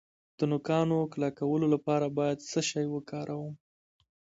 د نوکانو کلکولو لپاره باید څه شی وکاروم؟